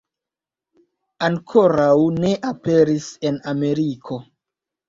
Ankoraŭ ne aperis en Ameriko.